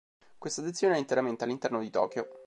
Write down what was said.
Questa sezione è interamente all'interno di Tokyo.